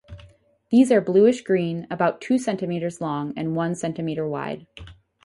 These are bluish green, about two centimetres long and one centimetres wide.